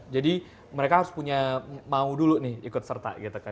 jadi mereka harus punya mau dulu nih ikut serta gitu kan